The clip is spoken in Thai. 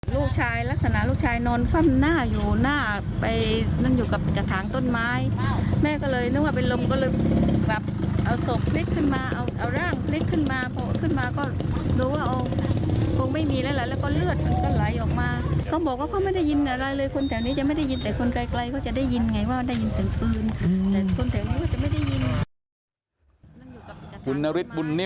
ลักษณะลูกชายนอนฟั่นหน้าอยู่หน้าไปนั่นอยู่กับกระถางต้นไม้